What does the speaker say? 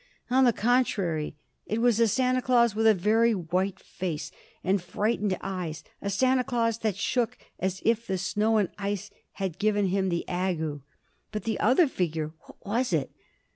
On the contrary, it was a Santa Claus with a very white face and frightened eyes a Santa Claus that shook as if the snow and ice had given him the ague. But the other figure what was it?